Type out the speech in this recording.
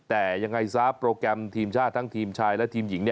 แต่ยังไงซะโปรแกรมทีมชาติทั้งทีมชายและทีมหญิง